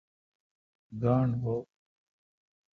گاݨڈ بھو ۔